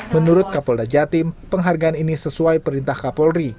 menurut kapolda jatim penghargaan ini sesuai perintah kapolri